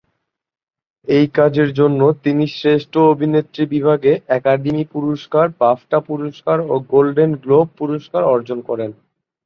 এই কাজের জন্য তিনি শ্রেষ্ঠ অভিনেত্রী বিভাগে একাডেমি পুরস্কার, বাফটা পুরস্কার ও গোল্ডেন গ্লোব পুরস্কার অর্জন করেন।